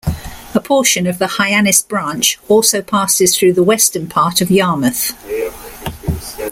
A portion of the Hyannis branch also passes through the western part of Yarmouth.